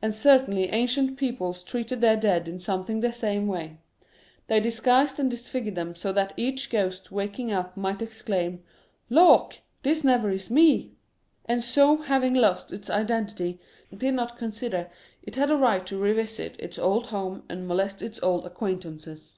And certain ancient peoples treated their dead in something the same way ; they IS Curiosities of Olden Times disguised and disfigured them so that each ghost waking up might exclaim, " Lawk ! this never is me !" And so having lost its identity, did not consider it had a right to revisit its old home and molest its old acquaintances.